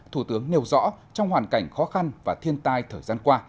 thủ tướng nêu rõ trong hoàn cảnh khó khăn và thiên tai thời gian qua